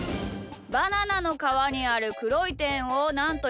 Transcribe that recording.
バナナのかわにあるくろいてんをなんという？